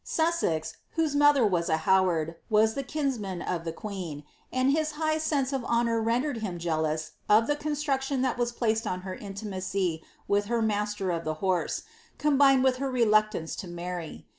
Sussex, whose mother vat a Howard, was the kinsman of the queen, and his high sense of honour rendered him jealous of the construction that was placed on her iotunacy with her master of the horse, combined with her reluctance to marry.